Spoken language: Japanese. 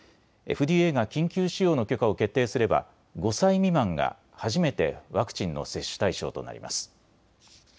ＦＤＡが緊急使用の許可を決定すれば５歳未満が初めてワクチンの接種対象となります。